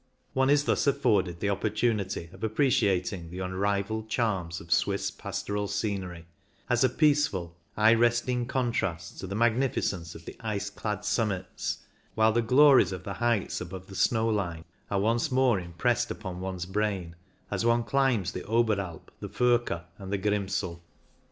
One is thus afforded the opportunity of appreciating the unrivalled charms of Swiss pastoral scenery, as a peaceful, eye resting contrast to the magnificence of the ice clad summits, while the glories of the heights THE OBERALP 107 above the snow line are once more im pressed upon one's brain as one climbs the Oberalp, the Furka, and the Grimsel.